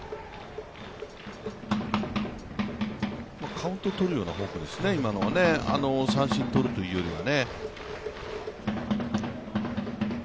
カウントとるようなフォークですね、三振とるというよりはね。